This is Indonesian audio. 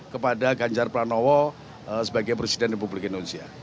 kepada ganjar pranowo sebagai presiden republik indonesia